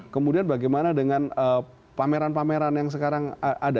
kemudian bagaimana dengan pameran pameran yang sekarang ada